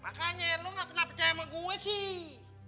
makanya lu ga pernah percaya sama gue sih